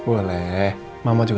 aduh ya tidur